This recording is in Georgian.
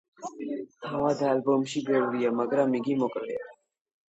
თავად ალბომში ბევრია, მაგრამ იგი მოკლეა.